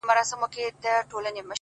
• د دغه ښار ښکلي غزلي خیالوري غواړي؛